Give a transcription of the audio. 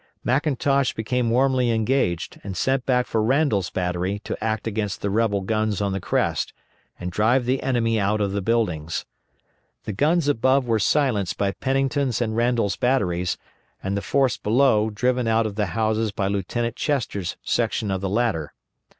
McIntosh became warmly engaged and send back for Randol's battery to act against the rebel guns on the crest, and drive the enemy out of the buildings. The guns above were silenced by Pennington's and Randol's batteries, and the force below driven out of the houses by Lieutenant Chester's section of the latter.